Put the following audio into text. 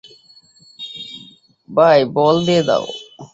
ভাই, বল দিয়ে দাও।